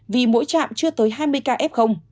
vì mỗi trạm chưa tới hai mươi ca f